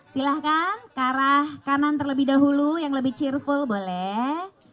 silahkan ke arah kanan terlebih dahulu yang lebih cheerful boleh